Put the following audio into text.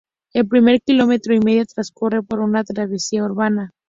El primer kilómetro y medio transcurre por una travesía urbana.